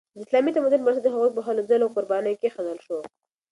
د اسلامي تمدن بنسټ د هغوی په هلو ځلو او قربانیو کیښودل شو.